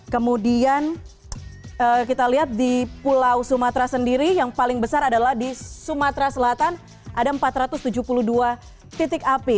kemudian kita lihat di pulau sumatera sendiri yang paling besar adalah di sumatera selatan ada empat ratus tujuh puluh dua titik api